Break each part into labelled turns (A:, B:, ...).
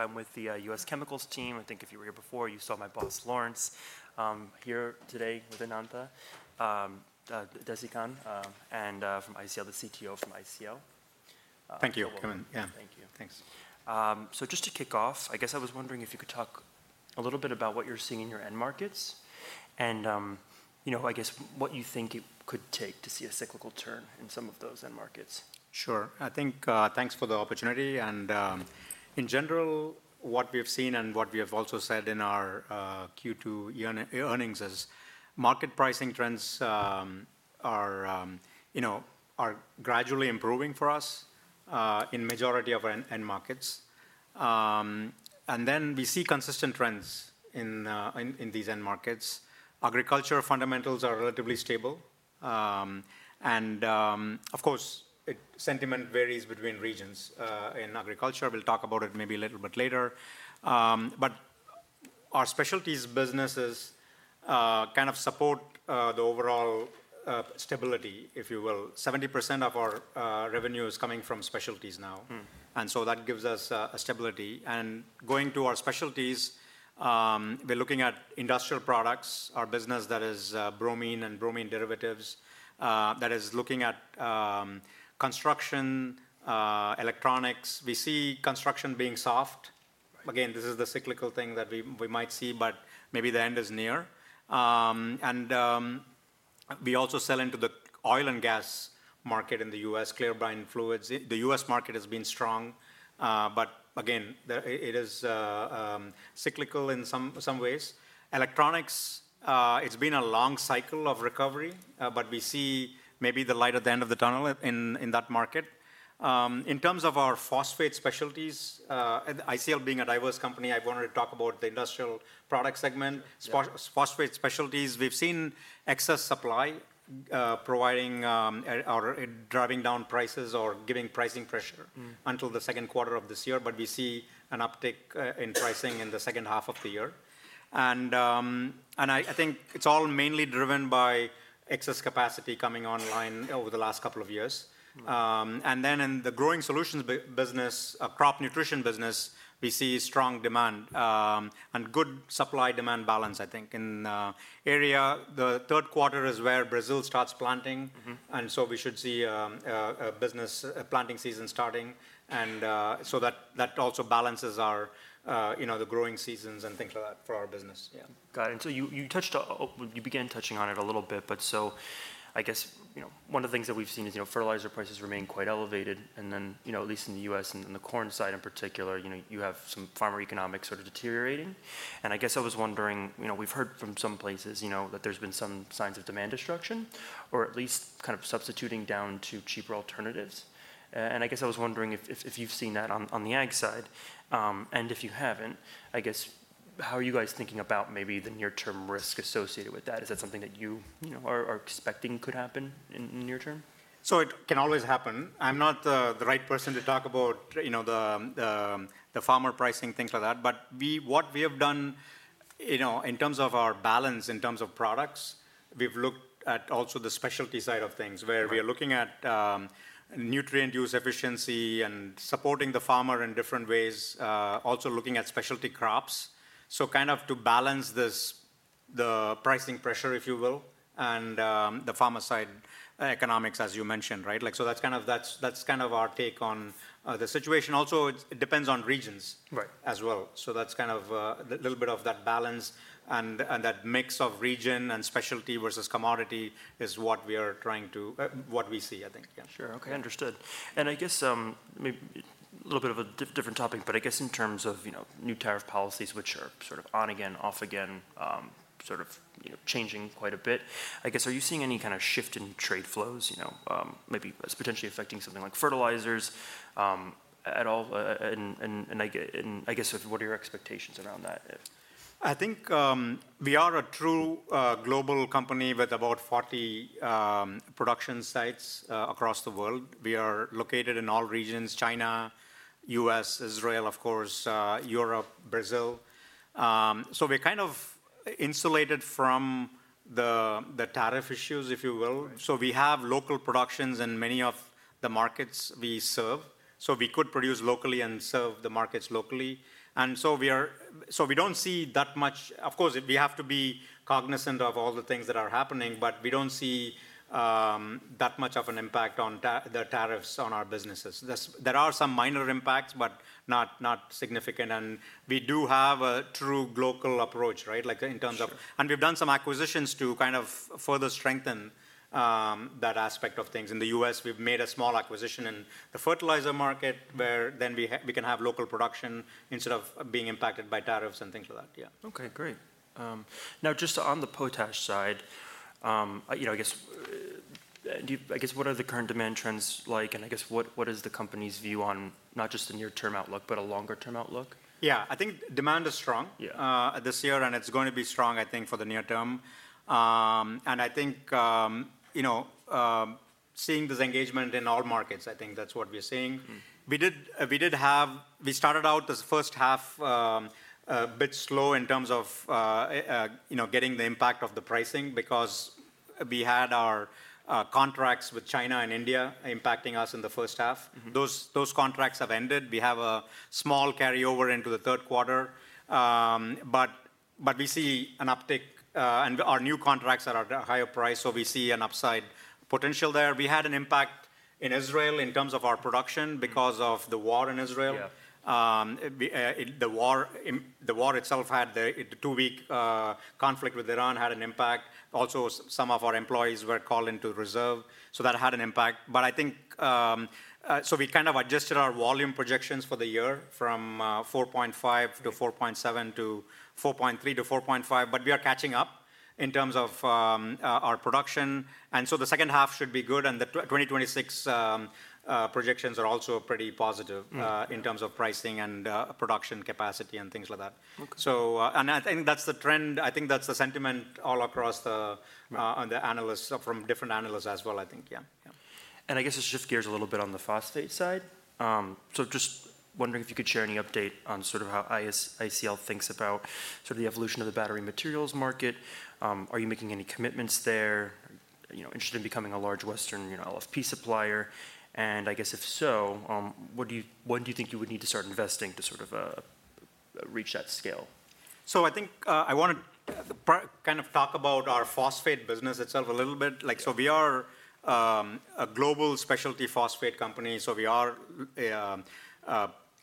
A: I'm with the US chemicals team. I think if you were here before, saw my boss Lawrence here today with Ananta Desi Khan from ICL, the CTO from ICL.
B: Thank you. Come in. Yeah. Thank
A: you. Thanks. So just to kick off, I guess I was wondering if you could talk a little bit about what you're seeing in your end markets and, I guess, what you think it could take to see a cyclical turn in some of those end markets.
B: Sure. I think thanks for the opportunity. And in general, what we have seen and what we have also said in our Q2 earnings is market pricing trends are gradually improving for us in majority of our end markets. And then we see consistent trends in these end markets. Agriculture fundamentals are relatively stable. And of course, sentiment varies between regions in agriculture. We'll talk about it maybe a little bit later. But our specialties businesses kind of support the overall stability, if you will. 70% of our revenue is coming from specialties now. And so that gives us a stability. And going to our specialties, we're looking at industrial products, our business that is bromine and bromine derivatives, that is looking at construction, electronics. We see construction being soft. Again, this is the cyclical thing that we might see, but maybe the end is near. And we also sell into the oil and gas market in The U. S, clear brine fluids. The U. S. Market has been strong. But again, it is cyclical in some ways. Electronics, it's been a long cycle of recovery, but we see maybe the light at the end of the tunnel in that market. In terms of our phosphate specialties, ICL being a diverse company, wanted to talk about the industrial Products segment. Phosphate specialties, we've seen excess supply providing or driving down prices or giving pricing pressure until the second quarter of this year, but we see an uptick in pricing in the second half of the year. And I think it's all mainly driven by excess capacity coming online over the last couple of years. And then in the growing solutions business, crop nutrition business, we see strong demand and good supply demand balance I think. In area, the third quarter is where Brazil starts planting and so we should see business planting season starting. And so that also balances our the growing seasons and things like that for our business.
A: Got it. And so you touched you began touching on it a little bit. But so I guess one of the things that we've seen is fertilizer prices remain quite elevated. And then at least in The U. S. And the corn side in particular, you have some farmer economics sort of deteriorating. And I guess I was wondering, we've heard from some places that there's been some signs of demand destruction or at least kind of substituting down to cheaper alternatives. And I guess I was wondering if you've seen that on the ag side. And if you haven't, I guess how are you guys thinking about maybe the near term risk associated with that? Is that something that you are expecting could happen in the near term?
B: So it can always happen. I'm not the right person to talk about the farmer pricing, things like that. But what we have in terms of our balance, in terms of products, we've looked at also the specialty side of things, where we are looking at nutrient use efficiency and supporting the farmer in different ways, also looking at specialty crops. So kind of to balance this the pricing pressure, if you will, and the farmer side economics, as you mentioned, right? So that's kind of our take on the situation. Also, it depends on regions as So that's kind of a little bit of that balance and that mix of region and specialty versus commodity is what we are trying to what we see, I think.
A: Sure. Okay. Understood. And I guess maybe a little bit of a different topic, but I guess in terms of new tariff policies, are sort of on again, off again, sort of changing quite a bit, I guess are you seeing any kind of shift in trade flows, maybe potentially affecting something like fertilizers at all? I guess what are your expectations around that?
B: I think we are a true global company with about 40 production sites across the world. We are located in all regions, China, U. S, Israel, of course, Europe, Brazil. So we're kind of insulated from the tariff issues, if you will. So we have local productions in many of the markets we serve. So we could produce locally and serve the markets locally. And so we are so we don't see that much of course, we have to be cognizant of all the things that are happening, but we don't see that much of an impact on the tariffs on our businesses. There are some minor impacts, but not significant. And we do have a true global approach, right, like in terms of and we've done some acquisitions to kind of further strengthen that aspect of things. In The US, we've made a small acquisition in the fertilizer market where then we can have local production instead of being impacted by tariffs and things like that.
A: Okay, great. Now just on the potash side, I guess what are the current demand And I guess, what is the company's view on not just the near term outlook, but a longer term outlook?
B: Yes. I think demand is strong this year, and it's going to be strong, I think, for the near term. And I think seeing this engagement in all markets, think that's what we're seeing. We did have we started out this first half a bit slow in terms of getting the impact of the pricing because we had our contracts with China and India impacting us in the first half. Those contracts have ended. We have a small carryover into the third quarter. But we see an uptick and our new contracts are at a higher price, so we see an upside potential there. We had an impact in Israel in terms of our production because of the war in Israel. The war itself had the two week conflict with Iran had an impact. Also some of our employees were called into reserve. So that had an impact. But I think so we kind of adjusted our volume projections for the year from 4.5 to 4.7 to 4.3 to 4.5. But we are catching up in terms of our production. And so the second half should be good and the 2026 projections are also pretty positive in terms of pricing and production capacity and things like that. So and I think that's the trend. I think that's the sentiment all across the analysts from different analysts as well, I think, yeah.
A: And I guess to shift gears a little bit on the phosphate side. So just wondering if you could share any update on sort of how ICL thinks about the evolution of the battery materials market. Are you making any commitments there? Interested in becoming a large Western LFP supplier? And I guess if so, when do you think you would need to start investing to sort of
B: reach that scale? So I think I want to kind of talk about our phosphate business itself a little bit. So we are a global specialty phosphate company. So we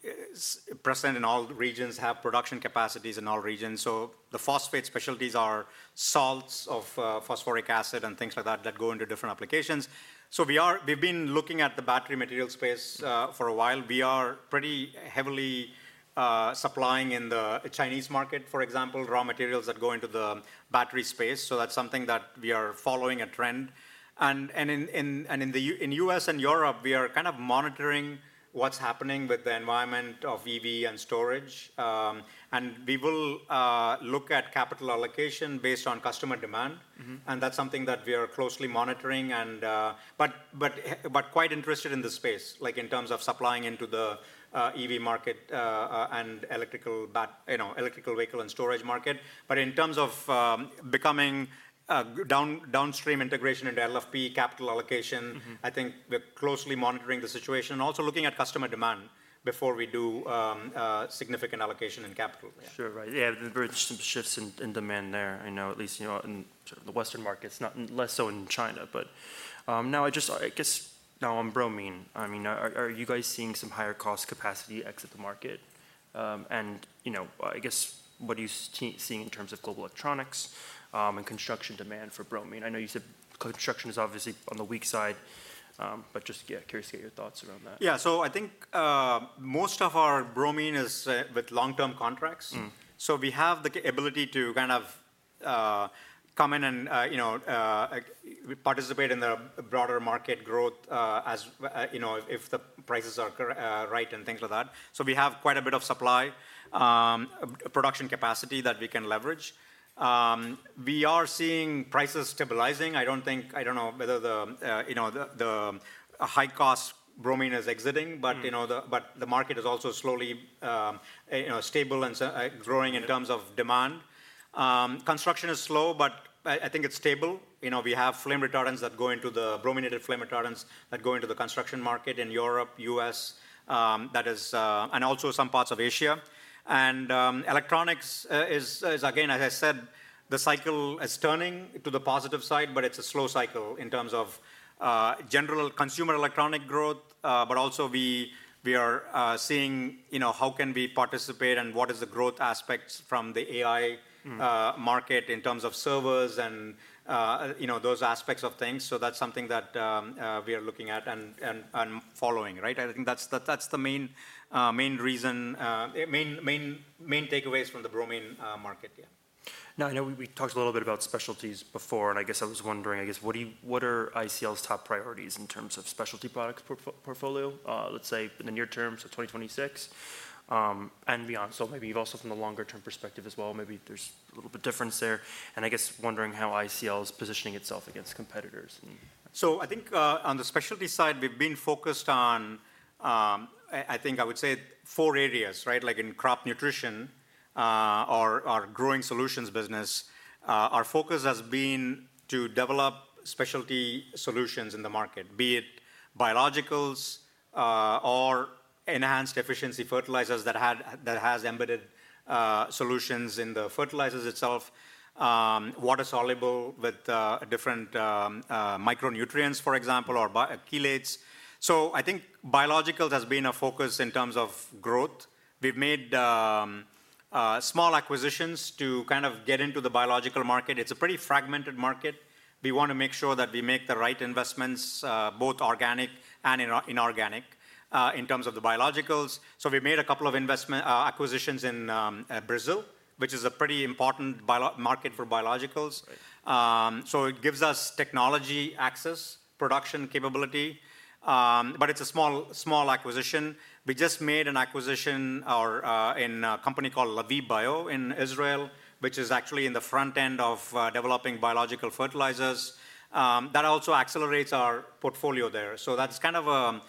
B: are present in all regions, have production capacities in all regions. So the phosphate specialties are salts of phosphoric acid and things like that that go into different applications. So we've been looking at the battery material space for a while. We are pretty heavily supplying in the Chinese market, for example, raw materials that go into the battery space. So that's something that we are following a trend. And in U. S. And Europe, we are kind of monitoring what's happening with the environment of EV and storage. And we will look at capital allocation based on customer demand. And that's something that we are closely monitoring and but quite interested in the space, like in terms of supplying into the EV market and electrical vehicle and storage market. But in terms of becoming downstream integration into LFP capital allocation, I think we're closely monitoring the situation and also looking at customer demand before we do significant allocation in capital.
A: Sure, right. Yes, there were some shifts in demand there. I know at least in the Western markets, less so in China. But now I just I guess now on bromine, I mean, are you guys seeing some higher cost capacity exit the market? And I guess, what are you seeing in terms of global electronics and construction demand for bromine? I know you said construction is obviously on the weak side, but just curious to get your thoughts around that.
B: Yes. So I think most of our bromine is with long term contracts. So we have the ability to kind of come in and participate in the broader market growth if the prices are right and things like that. So we have quite a bit of supply, production capacity that we can leverage. We are seeing prices stabilizing. I don't think I don't know whether the high cost bromine is exiting, but the market is also slowly stable and growing in terms of demand. Construction is slow, but I think it's stable. We have flame retardants that go into the brominated flame retardants that go into the construction market in Europe, U. S. That is and also some parts of Asia. And electronics is again, as I said, the cycle is turning to the positive side, but it's a slow cycle in terms of general consumer electronic growth, but also we are seeing how can we participate and what is the growth aspects from the AI market in terms of servers and those aspects of things. So that's something that we are looking at and following, right? I think that's the main reason main takeaways from the bromine market.
A: Now, I know we talked a little bit about specialties before, and I guess I was wondering, I guess, what are ICL's top priorities in terms of specialty products portfolio, let's say, in the near term, so 2026, and beyond? So maybe you've also, from the longer term perspective as well, maybe there's a little bit difference there. And I guess wondering how ICL is positioning itself against competitors.
B: So I think on the specialty side, we've been focused on, I think I would say, areas, right, like in crop nutrition or growing solutions business. Our focus has been to develop specialty solutions in the market, be it biologicals or enhanced efficiency fertilizers that has embedded solutions in the fertilizers itself, water soluble with different micronutrients, for example, or chelates. So I think biologicals has been a focus in terms of growth. We've made small acquisitions to kind of get into the biological market. It's a pretty fragmented market. We want to make sure that we make the right investments both organic and inorganic in terms of the biologicals. So we've made a couple of investments acquisitions in Brazil, which is a pretty important market for biologicals. So it gives us technology access, production capability. But it's a small acquisition. We just made an acquisition in a company called Lavib Bio in Israel, which is actually in the front end of developing biological fertilizers. That also accelerates our portfolio there. So that's kind of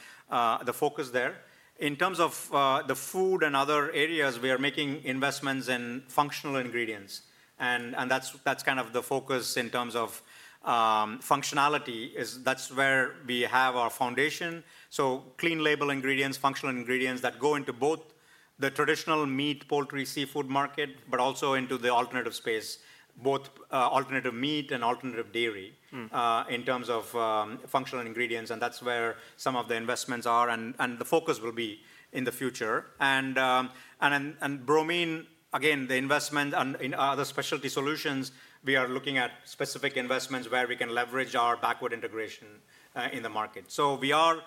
B: the focus there. In terms of the food and other areas, we are making investments in functional ingredients. And that's kind of the focus in terms of functionality is that's where we have our foundation. So clean label ingredients, functional ingredients that go into both the traditional meat, poultry, seafood market, but also into the alternative space, both alternative meat and alternative dairy in terms of functional ingredients. And that's where some of the investments are and the focus will be in the future. And Bromine, again, the investment in other specialty solutions, we are looking at specific investments where we can leverage our backward integration in the market. So we are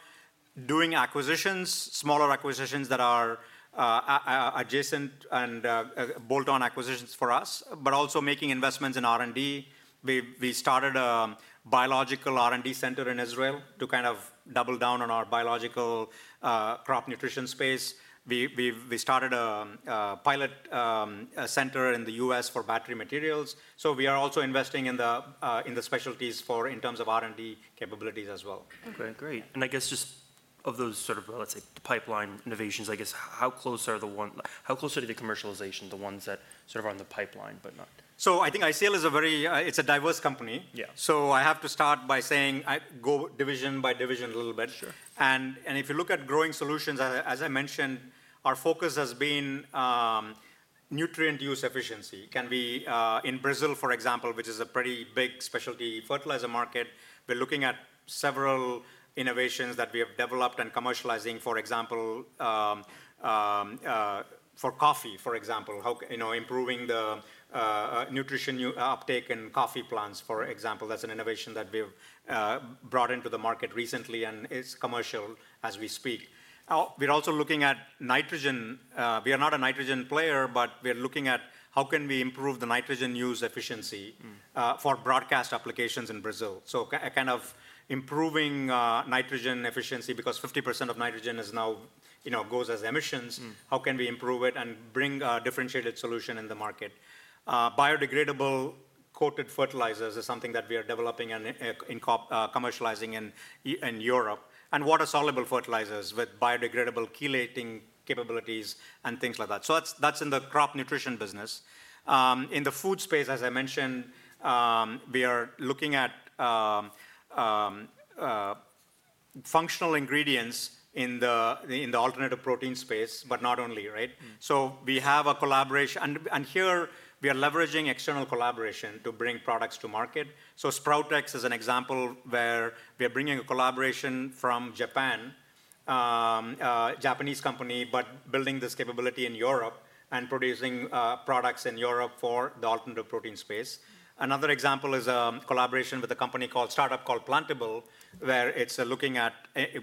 B: doing acquisitions, smaller acquisitions that are adjacent and bolt on acquisitions for us, but also making investments in R and D. We started a biological R and D center in Israel to double down on our biological crop nutrition space. We started a pilot center in The U. S. For battery materials. So we are also investing in the specialties for in terms of R and D capabilities as well.
A: Okay, great. And I guess just of those sort of, let's say, pipeline innovations, guess, how close are the one how close are the commercialization, the ones that sort of are in the pipeline but not?
B: So I think ICL is a very it's a diverse company. So I have to start by saying go division by division a little bit. And if you look at growing solutions, as I mentioned, our focus has been nutrient use efficiency. Can we in Brazil, for example, which is a pretty big specialty fertilizer market, we're looking at several innovations that we have developed and commercializing, for example, for coffee, for example, improving the nutrition uptake in coffee plants, for example. That's an innovation that we've brought into the market recently and is commercial as we speak. We're also looking at nitrogen. We are not a nitrogen player, but we're looking at how can we improve the nitrogen use efficiency for broadcast applications in Brazil. So kind of improving nitrogen efficiency because 50% of nitrogen is goes as emissions. How can we improve it and bring a differentiated solution in the market? Biodegradable coated fertilizers is something that we are developing and commercializing in Europe. And water soluble fertilizers with biodegradable chelating capabilities and things like that. So that's in the crop nutrition business. In the food space, as I mentioned, we are looking at functional ingredients in the alternative protein space, but not only, right? So we have a collaboration here we are leveraging external collaboration to bring products to market. So Sprout X is an example where we are bringing a collaboration from Japan, a Japanese company, but building this capability in Europe and producing products in Europe for the alternative protein space. Another example is a collaboration with a company called startup called Plantable, where it's looking at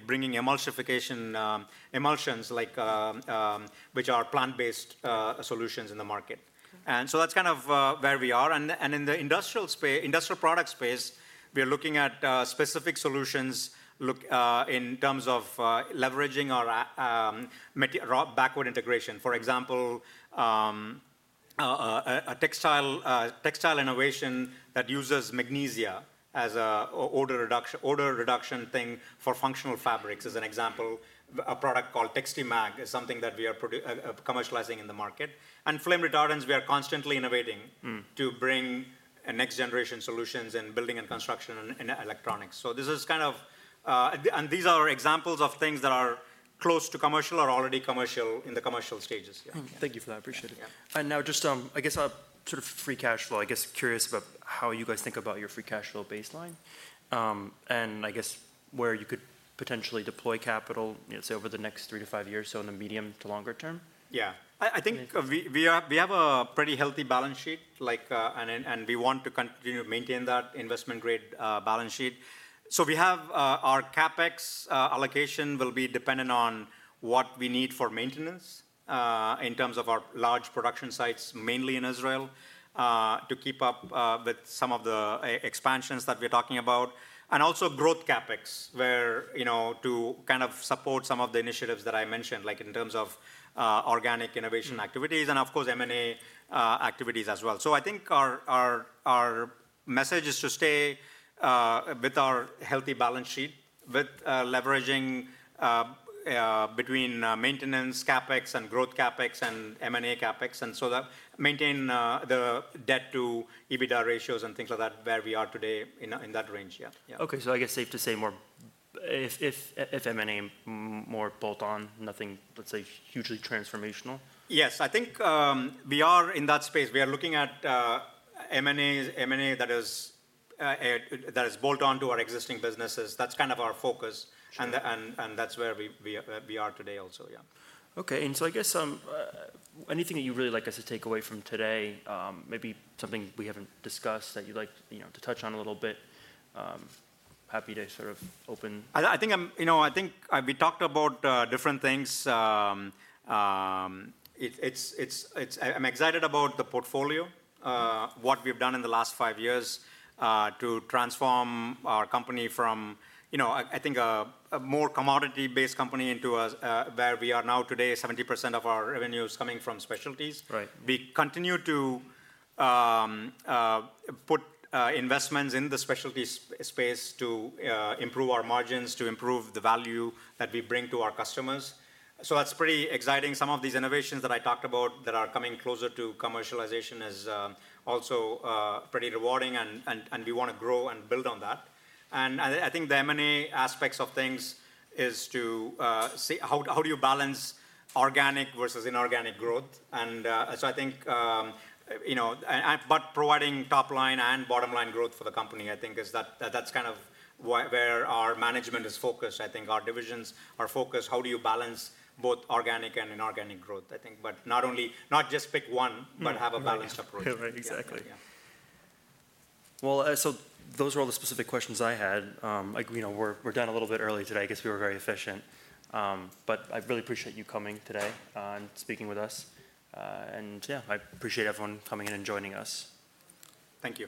B: bringing emulsification emulsions like which are plant based solutions in the market. And so that's kind of where we are. And in the industrial space industrial product space, we are looking at specific solutions in terms of leveraging our backward integration. For example, a textile innovation that uses magnesia as a reduction thing for functional fabrics. As an example, a product called Textimag is something that we are commercializing in the market. And flame retardants, are constantly innovating to bring next generation solutions in building and construction and electronics. So this is kind of and these are examples of things that are close to commercial or already commercial in the commercial stages.
A: Thank you for that. Appreciate it. And now just, I guess, sort of free cash flow. I guess, curious about how you guys think about your free cash flow baseline. And I guess, where you could potentially deploy capital, say, over the next three to five years, so in the medium to longer term?
B: Yeah. Think we have a pretty healthy balance sheet, we want to continue to maintain that investment grade balance sheet. So we have our CapEx allocation will be dependent on what we need for maintenance in terms of our large production sites, mainly in Israel, to keep up with some of the expansions that we're talking about. And also growth CapEx, where to support some of the initiatives that I mentioned, like in terms of organic innovation activities and of course M and A activities as well. So I think our message is to stay with our healthy balance sheet, with leveraging between maintenance CapEx and growth CapEx and M and A CapEx and so that maintain the debt to EBITDA ratios and things like that where we are today in that range, yes.
A: Okay. So I guess safe to say more if M and A more bolt on, nothing, let's say, transformational?
B: Yes. I think we are in that space. We are looking at M and A that is bolt on to our existing businesses. That's kind of our focus, and that's where we are today also, yeah.
A: Okay. And so I guess anything that you really like us to take away from today, maybe something we haven't discussed that you'd like to touch on a little bit? Happy to sort of open.
B: I think we talked about different things. I'm excited about the portfolio, what we've done in the last five years to transform our company from, I think, a more commodity based company into where we are now today, 70% of our revenue is coming from specialties. We continue to put investments in the specialty space to improve our margins, to improve the value that we bring to our customers. So that's pretty exciting. Some of these innovations that I talked about that are coming closer to commercialization is also pretty rewarding and we want to grow and build on that. And I think the M and A aspects of things is to see how do you balance organic versus inorganic growth. And so I think but providing top line and bottom line growth for the company, think, is that that's kind of where our management is focused. I think our divisions are focused, how do you balance both organic and inorganic growth? Think but not only not just pick one, but have a balanced approach.
A: Yeah, right, exactly. Well, so those were all the specific questions I had. We're done a little bit early today. I guess we were very efficient. But I really appreciate you coming today and speaking with us. And yeah, I appreciate everyone coming in and joining us.
B: Thank you.